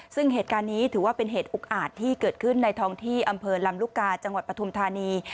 ซึ่งเหตุการณ์นี้ถือว่าเป็นเหตุอุกอาจที่เกิดขึ้นในท้องที่อำเภอลำลูกกาจังหวัดปฐุมธานี